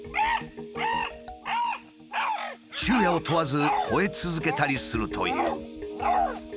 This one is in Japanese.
昼夜を問わずほえ続けたりするという。